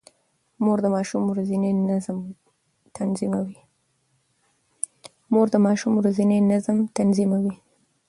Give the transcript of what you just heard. مور د ماشوم ورځنی نظم تنظيموي.